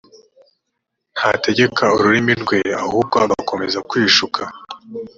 ntategeke ururimi rwe ahubwo agakomeza kwishuka